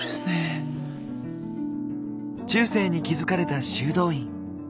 中世に築かれた修道院。